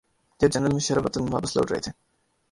جب جنرل مشرف وطن واپس لوٹ رہے تھے۔